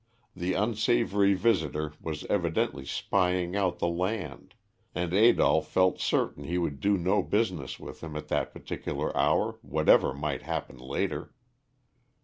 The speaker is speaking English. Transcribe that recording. The unsavoury visitor was evidently spying out the land, and Adolph felt certain he would do no business with him at that particular hour, whatever might happen later.